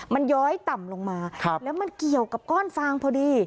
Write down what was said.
มันย้อยต่ำลงมาแล้วมันเกี่ยวกับก้อนฟางพอดี